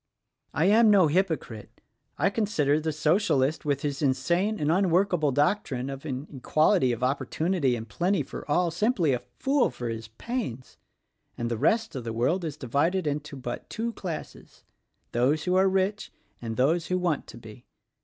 I am no hypocrite: I consider the Socialist with his insane and unworkable doc trine of an equality of opportunity and plenty for all, simply a fool for his pains; and the rest of the world is divided into but two classes; those who are rich and those who want to be.